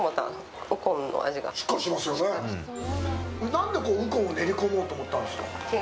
何でウコンを練り込もうと思ったんですか？